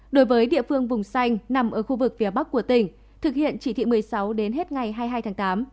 đối với địa phương vùng xanh nằm ở khu vực phía bắc của tỉnh thực hiện chỉ thị một mươi sáu đến hết ngày hai mươi hai tháng tám